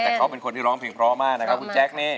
แต่เขาเป็นคนที่ร้องเพลงเพราะมากนะครับคุณแจ๊คนี่